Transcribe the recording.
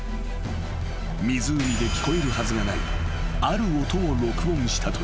［湖で聞こえるはずがないある音を録音したという］